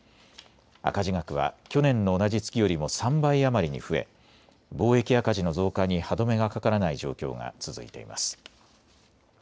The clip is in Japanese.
赤字額は去年の同じ月よりも３倍余りに増え、貿易赤字の増加に歯止めがかからない状況が続いています。